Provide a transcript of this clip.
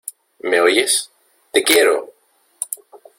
¿ me oyes? ¡ te quiero!